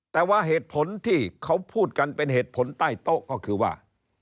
แต่ว่าเหตุผลที่เขาพูดกันเป็นเหตุผลใต้โต๊ะก็คือว่า